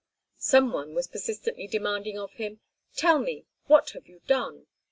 Some one was persistently demanding of him: "Tell me, what have you done?"